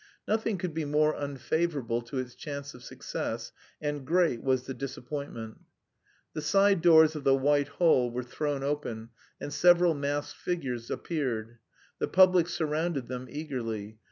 Nothing could be more unfavourable to its chance of success, and great was the disappointment. The side doors of the White Hall were thrown open and several masked figures appeared. The public surrounded them eagerly.